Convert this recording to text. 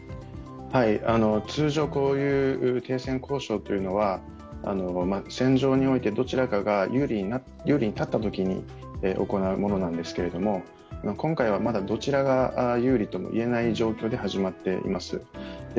通常、こういう停戦交渉というのは戦場において、どちらかが有利に立ったときに行うものなんですけれども今回はまだどちらが有利ともいえない状況で始まっています。